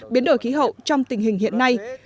biến đổi khí hậu trong tình hình hiện nay